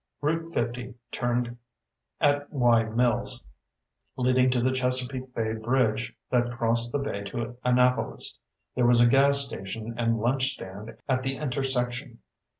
Route 50 turned at Wye Mills, leading to the Chesapeake Bay Bridge that crossed the bay to Annapolis. There was a gas station and lunch stand at the intersection.